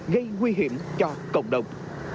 gây nguy hiểm cho cộng đồng